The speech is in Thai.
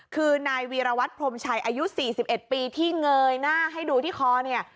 คือนายวีรวัตรพรมชัยอายุ๔๑ปีที่เงยหน้าให้ดูที่คอเนี่ย